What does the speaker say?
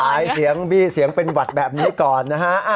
เสียงบี้เสียงเป็นหวัดแบบนี้ก่อนนะฮะ